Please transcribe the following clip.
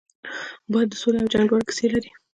باد د سولې او جنګ دواړو کیسه لري